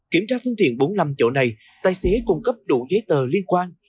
kiểm tra phương tiện bốn mươi năm chỗ này tài xế cung cấp đủ giấy tờ liên quan